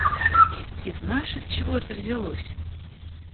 И знаешь, отчего это взялось?